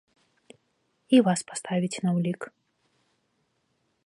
І вас паставяць на ўлік.